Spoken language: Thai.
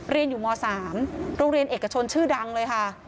เรียนอยู่ม๓โรงเรียนเอกชนชื่อดังเลยค่ะ